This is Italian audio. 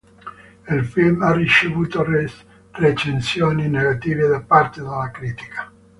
Il film ha ricevuto recensioni negative da parte della critica.